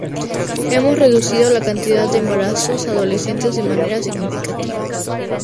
Hemos reducido la cantidad de embarazos adolescentes de manera significativa.